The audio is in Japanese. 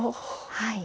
はい。